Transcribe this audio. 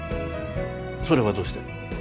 それはどうして？